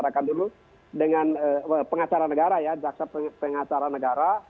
kita akan mulai dulu dengan pengacara negara ya jaksa pengacara negara